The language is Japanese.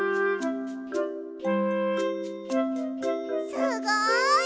すごい！